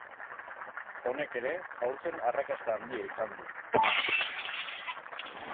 Honek ere aurten arrakasta handia izan du.